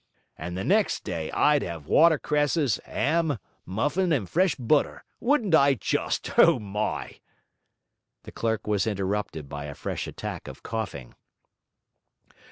And the next day I'd have water cresses, 'am, muffin, and fresh butter; wouldn't I just, O my!' The clerk was interrupted by a fresh attack of coughing.